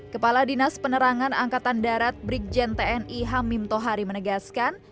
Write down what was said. kepala dinas penerangan angkatan darat brigjen tni hamim tohari menegaskan